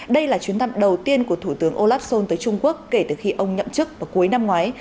đây là chuyến thăm đầu tiên của thủ tướng olaf schol tới trung quốc kể từ khi ông nhậm chức vào cuối năm ngoái